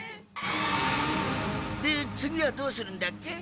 で次はどうするんだっけ？